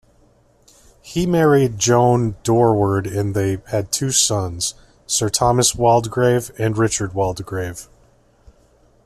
He married Joane Doreward and they had two sons-Sir Thomas Waldegrave, and Richard Waldegrave.